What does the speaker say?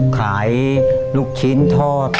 ขายลูกชิ้นทอด